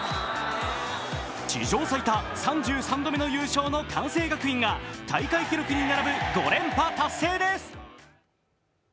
史上最多３３度目の優勝の関西学院が大会記録に並ぶ５連覇達成です。